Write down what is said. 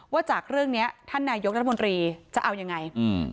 จากเรื่องนี้ท่านนายกรัฐมนตรีจะเอายังไง